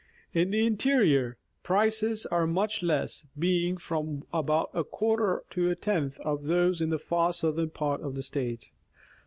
In the interior prices are much less, being from about a quarter to a tenth of those in the far southern part of the State.